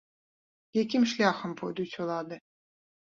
Якім шляхам пойдуць улады?